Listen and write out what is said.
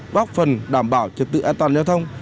góp phần đảm bảo trật tự an toàn giao thông